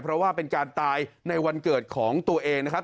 เพราะว่าเป็นการตายในวันเกิดของตัวเองนะครับ